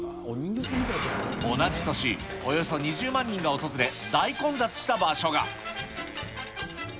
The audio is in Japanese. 同じ年、およそ２０万人が訪れ、大混雑した場所が。